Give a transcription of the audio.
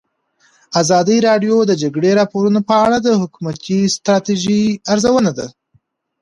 ازادي راډیو د د جګړې راپورونه په اړه د حکومتي ستراتیژۍ ارزونه کړې.